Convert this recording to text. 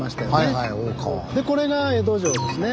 でこれが江戸城ですね。